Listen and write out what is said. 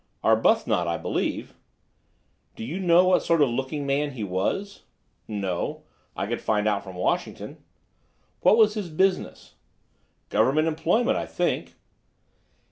"Arbuthnot, I believe." "Do you know what sort of looking man he was?" "No. I could find out from Washington." "What was his business?" "Government employment, I think."